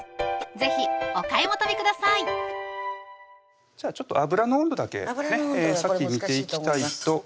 是非お買い求めくださいじゃあちょっと油の温度だけ先見ていきたいと思います